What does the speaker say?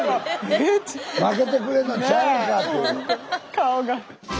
顔が。